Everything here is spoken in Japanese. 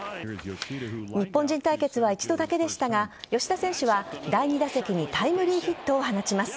日本人対決は１度だけでしたが吉田選手は第２打席にタイムリーヒットを放ちます。